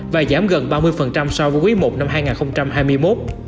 và giảm gần ba mươi so với quý i năm hai nghìn hai mươi một